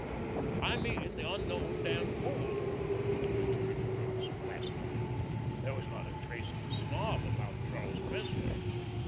'" "I mean the unknown damned fool," returned Crookes placidly. There was not a trace of the snob about Charles Cressler.